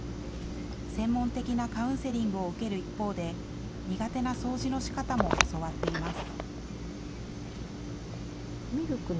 専門的なカウンセリングを受ける一方で、苦手な掃除のしかたも教わっています。